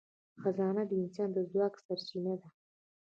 خزانه د انسان د ځواک سرچینه ده.